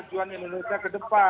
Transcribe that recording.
kebajuan indonesia ke depan